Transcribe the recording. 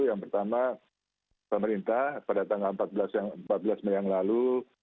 yang pertama pemerintah pada tanggal empat belas mei yang lalu